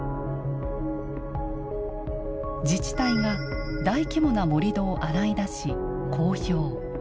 自治体が大規模な盛土を洗い出し、公表。